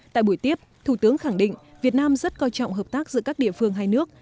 tại buổi tiếp thủ tướng khẳng định việt nam rất coi trọng hợp tác giữa các địa phương hai nước